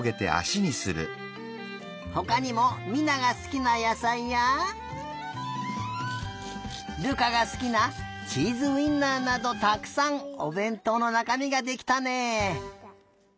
ほかにも美菜がすきなやさいや瑠珂がすきなチーズウインナーなどたくさんおべんとうのなかみができたね。